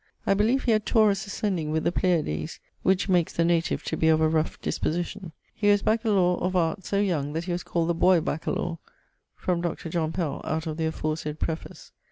I beleeve he had Taurus ascending with the Pleiades, which makes the native to be of a rough disposition. He was Baccalaur of Arts so young, that he was called the boy bacchalaur. From Dr. John Pell (out of the aforesayd preface).